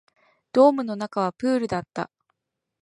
ドームの中はプールだった